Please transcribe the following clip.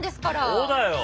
そうだよ！